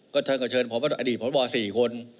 ก็ชั้นก็เชิญพระบาทอดีตพระบาทบอส๔คน